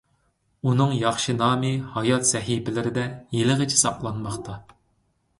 ئۇنىڭ ياخشى نامى ھايات سەھىپىلىرىدە ھېلىغىچە ساقلانماقتا.